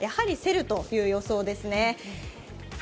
やはり競るという予想ですね。